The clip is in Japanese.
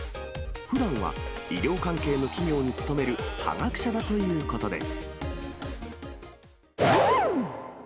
ふだんは医療関係の企業に勤める科学者だということです。